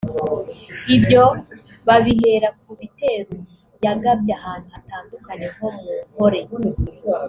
Ibyo babihera ku bitero yagabye ahantu hatandukanye nko mu Nkole